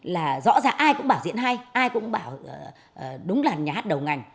là rõ ràng ai cũng bảo diễn hay ai cũng bảo đúng là nhà hát đầu ngành